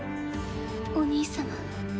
お兄様。